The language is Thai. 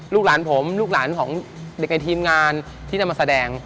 ลูกหลานผมลูกหลานของเด็กในทีมงานที่จะมาแสดง